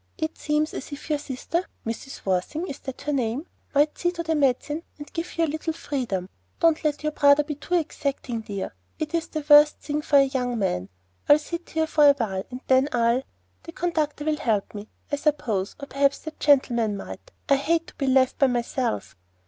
It seems as if your sister Mrs. Worthing, is that the name? might see to the medicine, and give you a little freedom. Don't let your brother be too exacting, dear. It is the worst thing for a young man. I'll sit here a little while, and then I'll The conductor will help me, I suppose, or perhaps that gentleman might I hate to be left by myself."